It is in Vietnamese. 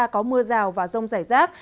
có mưa rào và rông rải rác